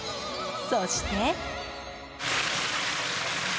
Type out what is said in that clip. そして。